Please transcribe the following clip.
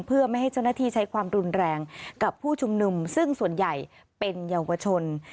เพื่อไม่ให้เจ้าหน้าที่ใช้ความรุนแรงกับผู้ชุมนุมซึ่งส่วนใหญ่เป็นเยาวชน